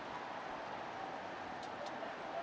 ขอบคุณทุกคน